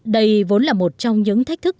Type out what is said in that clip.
đây vốn là một trong những thách thức